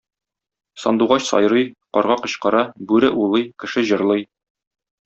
Сандугач сайрый, карга кычкыра, бүре улый, кеше җырлый.